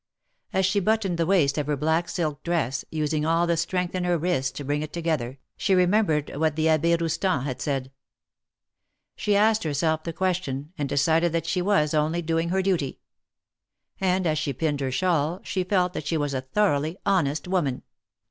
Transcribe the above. As she buttoned the waist of her black silk dress, using all the strength in her wrists to bring it together, she remembered what the Abbe Roustan had said. THE MAKKETS OF PARIS. 275 She asked herself the question, and decided that she was only doing her duty. And, as she pinned her shawl, she felt that she was a thoroughly honest woman.